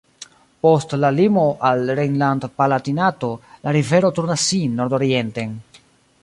Post la limo al Rejnland-Palatinato la rivero turnas sin nordorienten.